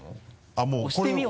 あぁもうこれを。